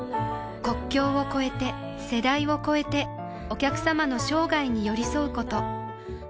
国境を超えて世代を超えてお客様の生涯に寄り添うこと